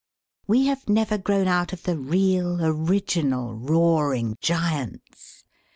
We have never grown out of the real original roaring giants.